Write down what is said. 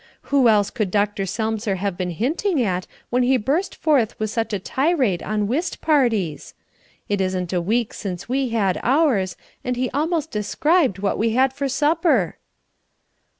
Who else could Dr. Selmser have been hinting at when he burst forth with such a tirade on whist parties? It isn't a week since we had ours, and he almost described what we had for supper."